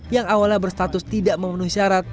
yang awalnya berstatus tidak memenuhi syarat